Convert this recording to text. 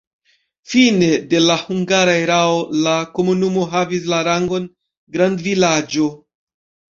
Fine de la hungara erao la komunumo havis la rangon grandvilaĝo.